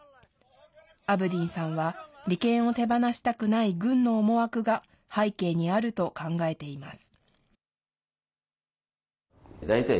アブディンさんは利権を手放したくない軍の思惑が背景にあると考えています。